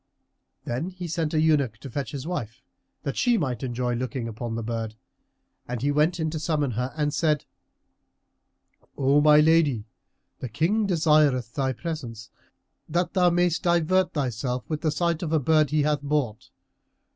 Then he sent an eunuch to fetch his wife that she might enjoy looking upon the bird, and he went in to summon her and said, "O my lady, the King desireth thy presence, that thou mayst divert thyself with the sight of a bird he hath bought.